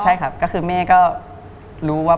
ใช่ครับผู้จะมางานก็ช่วย